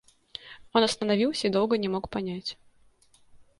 Он остановился и долго не мог понять.